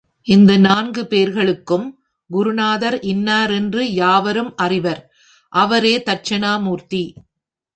இந்த நான்கு பேர்களுக்கும் குருநாதர் இன்னாரென்று யாவரும் அறிவர் அவரே தட்சிணாமூர்த்தி.